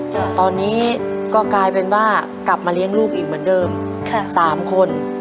จ้ะตอนนี้ก็กลายเป็นว่ากลับมาเลี้ยงลูกอีกเหมือนเดิมค่ะสามคน